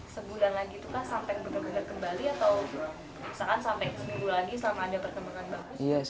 sebulan lagi itu kan sampai benar benar kembali atau misalkan sampai seminggu lagi selama ada perkembangan bagus